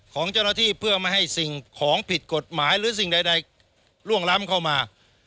ของเจ้าหน้าที่เพื่อไม่ให้สิ่งของผิดกฎหมายหรือสิ่งใดล่วงล้ำเข้ามา